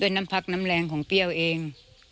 น้ำพักน้ำแรงของเปรี้ยวเอง